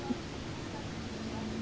ya lebih dihargai meskipun hanya sekedar jamu